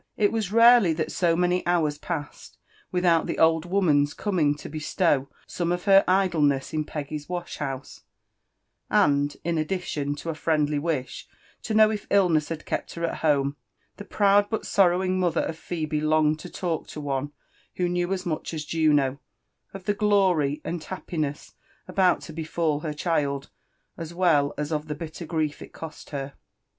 It was rarely that so many liours passed without the old woman's coming to beslow some of her idleness in Peggy's wash house; and, in addition lo a friendly wish lo know if illness had kept h^r at home, the proud but sorrowing mollier of Phebe longed lo lalk lo one, who knew so much as Juno, , (A tYi6 gbry atid happineiid ifbotic to befall her ihrld, a£ weU ais <rf the j Mttcf jtlefli6oiiher.